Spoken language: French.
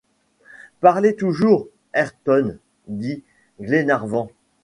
Parlez toujours, Ayrton, dit Glenarvan.